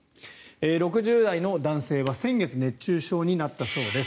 ６０代の男性は先月、熱中症になったそうです。